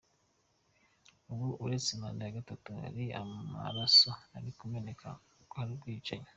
Ubu uretse manda ya gatatu hari amaraso ari kumeneka, hari ubwicanyi.